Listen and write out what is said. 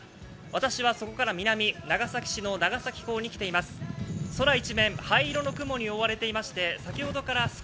私はそこから南、長崎市の長崎港に来ています。